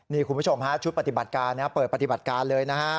นี่คุณผู้ชมฮะชุดปฏิบัติการเปิดปฏิบัติการเลยนะฮะ